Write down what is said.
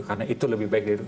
karena itu lebih baik dari itu